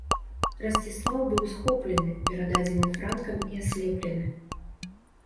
Расціслаў быў схоплены, перададзены франкам і аслеплены.